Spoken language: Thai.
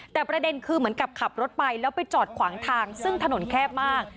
แต่ประเด็นคือเหมือนกับขับรถไปแล้วไปจอดขวางทางซึ่งถนนแคบมาก